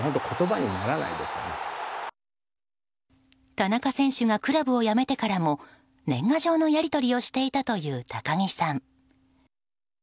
田中選手がクラブを辞めてからも年賀状のやり取りをしていたという高木さん。